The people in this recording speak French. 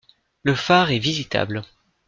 Le phare est visitable.